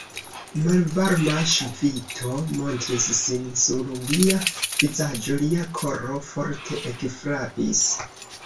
Malvarma ŝvito montris sin sur lia vizaĝo; lia koro forte ekfrapis.